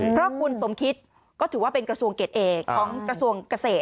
เพราะคุณสมคิดก็ถือว่าเป็นกระทรวงเกรดเอกของกระทรวงเกษตร